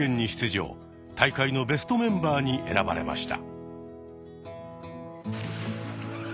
大会のベストメンバーに選ばれました。